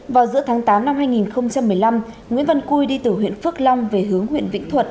vào giữa tháng tám năm hai nghìn một mươi năm nguyễn văn cui đi từ huyện phước long về hướng huyện vĩnh thuận